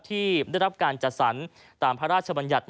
ที่ได้รับการจัดสรรตามพระราชบัญญัติ